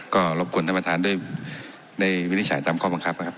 ก็รบกวนท่านประธานด้วยได้วินิจฉัยตามข้อบังคับนะครับ